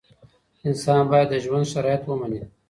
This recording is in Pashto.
انسان باید د ژوند شرایط ومني.